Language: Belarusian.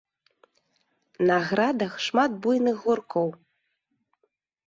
На градах шмат буйных гуркоў.